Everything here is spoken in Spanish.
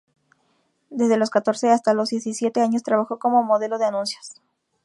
Desde los catorce hasta los diecisiete años trabajó como modelo de anuncios.